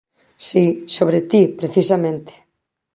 Si, sobre ti, precisamente.